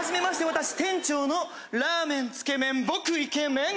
私店長のラーメンつけ麺僕イケメン。